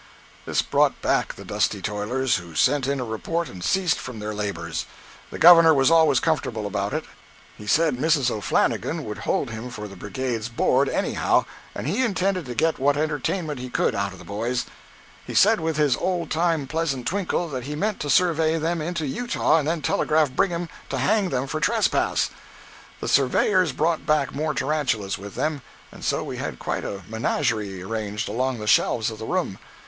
This brought back the dusty toilers, who sent in a report and ceased from their labors. The Governor was always comfortable about it; he said Mrs. O'Flannigan would hold him for the Brigade's board anyhow, and he intended to get what entertainment he could out of the boys; he said, with his old time pleasant twinkle, that he meant to survey them into Utah and then telegraph Brigham to hang them for trespass! The surveyors brought back more tarantulas with them, and so we had quite a menagerie arranged along the shelves of the room.